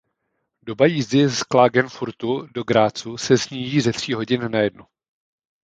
Doba jízdy z Klagenfurtu do Grazu se sníží ze tří hodin na jednu.